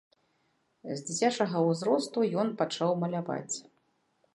З дзіцячага ўзросту ён пачаў маляваць.